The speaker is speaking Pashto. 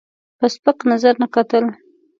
په سپک نظر نه کتل.